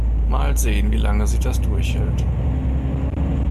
Mal sehen, wie lange sie das durchhält.